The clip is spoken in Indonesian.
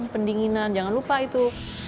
pendinginan jangan lupa itu